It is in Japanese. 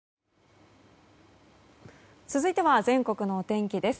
続いては全国のお天気です。